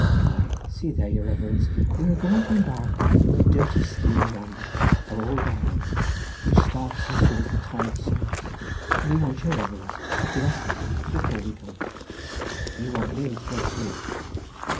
"Why, see here, your reverence, we are going to embark in the dirty steamer yonder for ould Ireland, which starts as soon as the tide serves, and we want your reverence to bless us before we goes." "You want me to bless you?"